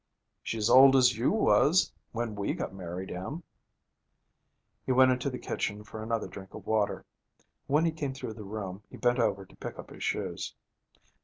'She's old as you was, when we got married, Em.' He went into the kitchen for another drink of water. When he came through the room, he bent over to pick up his shoes.